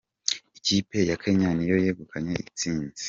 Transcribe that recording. Ikipe ya Kenya niyo yegukanye intsinzi.